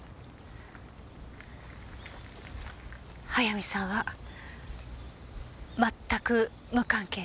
速水さんは全く無関係です。